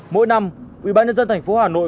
mỗi năm ubnd tp hà nội